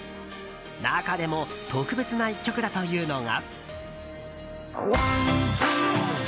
中でも特別な１曲だというのが。